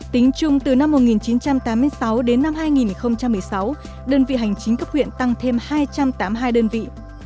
tính chung từ năm một nghìn chín trăm tám mươi sáu đến năm hai nghìn một mươi sáu đơn vị hành chính cấp huyện tăng thêm hai trăm tám mươi hai đơn vị